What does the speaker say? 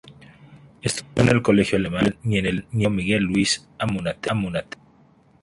Estudió en el Colegio Alemán y en el Liceo Miguel Luis Amunátegui.